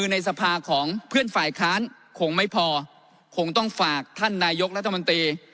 ในสภาของเพื่อนฝ่ายค้านคงไม่พอคงต้องฝากท่านนายกรัฐมนตรี